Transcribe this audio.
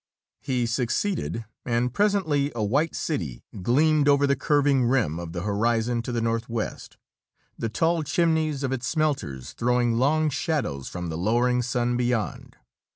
He succeeded, and presently a white city gleamed over the curving rim of the horizon to the northwest, the tall chimneys of its smelters throwing long shadows from the lowering sun beyond.